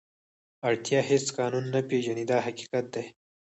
اړتیا هېڅ قانون نه پېژني دا حقیقت دی.